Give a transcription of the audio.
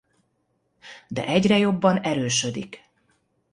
De egyre jobban erősödik.